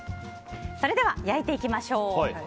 それでは、焼いていきましょう。